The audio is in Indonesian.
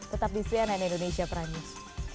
tetap di cnn indonesia pranyus